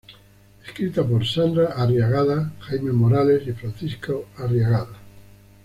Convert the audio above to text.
Escrita por Sandra Arriagada, Jaime Morales y Francisco Arriagada.